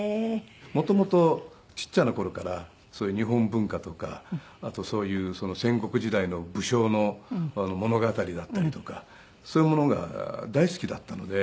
元々ちっちゃな頃からそういう日本文化とかあとそういう戦国時代の武将の物語だったりとかそういうものが大好きだったので。